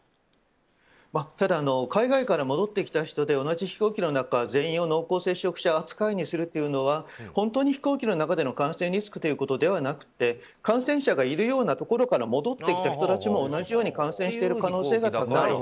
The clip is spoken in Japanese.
ただ、海外から戻ってきた人で同じ飛行機の中全員を濃厚接触者扱いにするというのは本当に飛行機の中での感染リスクではなくて感染者がいるようなところから戻ってきた人たちも同じように感染している可能性が高い。